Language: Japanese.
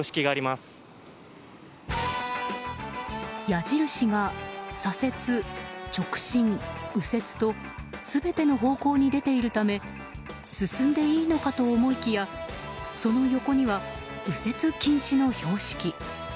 矢印が左折、直進、右折と全ての方向に出ているため進んでいいのかと思いきやその横には右折禁止の標識。